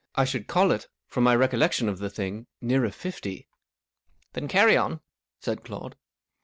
I should call it—from my recollection of the thing—nearer fifty." " Then carry on," said Claude.